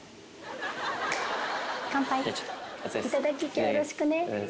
今日よろしくね。